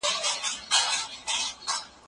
کله چې طبیعت وساتل شي، نسلونه ګټه اخلي.